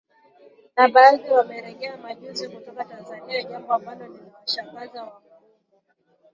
na baadhi wamerejea majuzi kutoka Tanzania jambo ambalo linawashangaza wahudumu